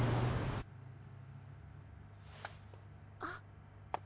あっ。